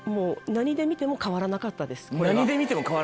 何で見ても変わらなかったです。